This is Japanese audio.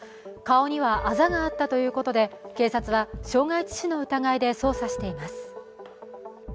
顔にはあざがあったということで警察は傷害致死の疑いで捜査しています。